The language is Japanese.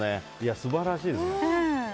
素晴らしいですね。